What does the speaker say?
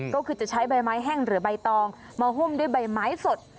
ก็คือจะใช้ใบไม้แห้งหรือใบตองมาหุ้มด้วยใบไม้สด